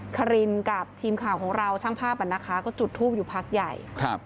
คารินกับทีมข่าวของเราช่างภาพอ่ะนะคะก็จุดทูปอยู่พักใหญ่